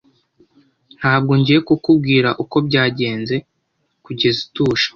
Ntabwo ngiye kukubwira uko byagenze kugeza utuje.